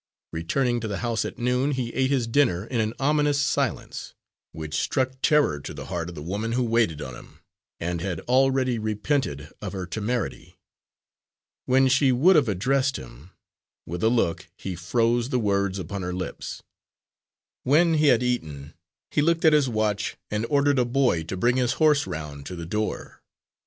Returning to the house at noon, he ate his dinner in an ominous silence, which struck terror to the heart of the woman who waited on him and had already repented of her temerity. When she would have addressed him, with a look he froze the words upon her lips. When he had eaten he looked at his watch, and ordered a boy to bring his horse round to the door.